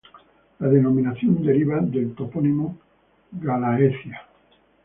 La denominación deriva del topónimo Gallaecia.